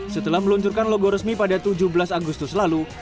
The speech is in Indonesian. setelah meluncurkan logo resmi pada tujuh belas agustus lalu